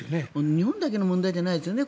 日本だけの問題じゃないですよね。